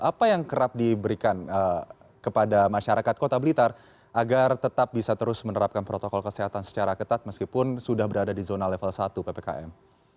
apa yang kerap diberikan kepada masyarakat kota blitar agar tetap bisa terus menerapkan protokol kesehatan secara ketat meskipun sudah berada di zona level satu ppkm